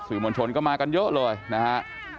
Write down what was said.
มวลชนก็มากันเยอะเลยนะฮะ